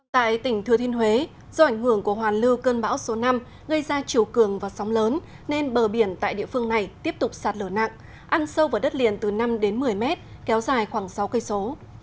tại tỉnh thừa thiên huế do ảnh hưởng của hoàn lưu cơn bão số năm gây ra chiều cường và sóng lớn nên bờ biển tại địa phương này tiếp tục sạt lở nặng ăn sâu vào đất liền từ năm đến một mươi mét kéo dài khoảng sáu cây số